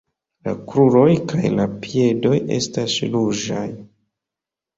La kruroj kaj la piedoj estas ruĝaj.